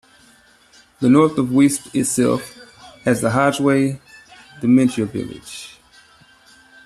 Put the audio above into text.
The north of Weesp itself has the Hogewey dementia village.